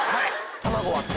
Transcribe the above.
卵割って。